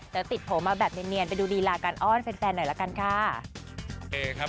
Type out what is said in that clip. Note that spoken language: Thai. แต่ติดโผล่มาแบบเนียนไปดูรีลาการอ้อนแฟนหน่อยละกันค่ะ